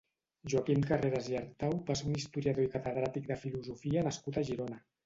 Joaquim Carreras i Artau va ser un historiador i catedràtic de filosofia nascut a Girona.